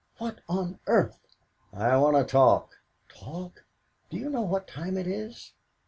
What on earth " "I want to talk." "Talk? Do you know what time it is?"